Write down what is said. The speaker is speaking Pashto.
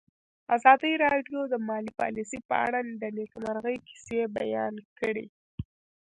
ازادي راډیو د مالي پالیسي په اړه د نېکمرغۍ کیسې بیان کړې.